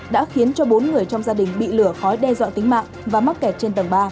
đã khiến cho bốn người trong gia đình bị lửa khói đe dọa tính mạng và mắc kẹt trên tầng ba